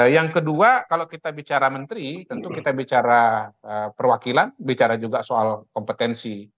yang kedua kalau kita bicara menteri tentu kita bicara perwakilan bicara juga soal kompetensi